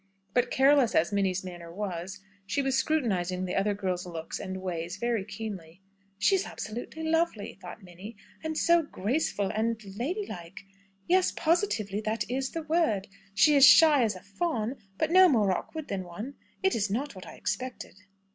But careless as Minnie's manner was, she was scrutinising the other girl's looks and ways very keenly. "She is absolutely lovely!" thought Minnie, "And so graceful, and and lady like! Yes; positively that is the word. She is as shy as a fawn, but no more awkward than one. It is not what I expected."